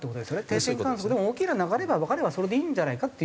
定点把握でも大きな流れがわかればそれでいいんじゃないかって。